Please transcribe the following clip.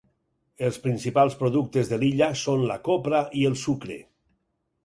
Els principals productes de l'illa són la copra i el sucre.